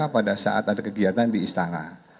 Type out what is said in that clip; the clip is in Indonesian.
pada saat ada kegiatan di istana